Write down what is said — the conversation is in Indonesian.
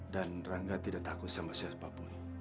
dan rangga tidak takut sama siapa pun